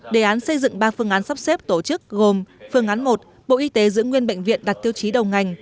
đề án xây dựng ba phương án sắp xếp tổ chức gồm phương án một bộ y tế giữ nguyên bệnh viện đặt tiêu chí đầu ngành